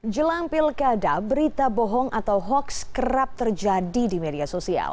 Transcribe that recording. jelang pilkada berita bohong atau hoaks kerap terjadi di media sosial